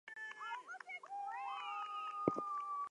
The book is an anthology made up of six discrete units.